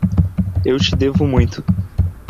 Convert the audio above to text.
Eu te devo muito.